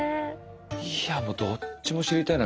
いやどっちも知りたいな。